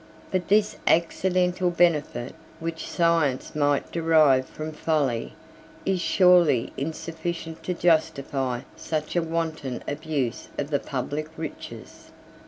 But this accidental benefit, which science might derive from folly, is surely insufficient to justify such a wanton abuse of the public riches.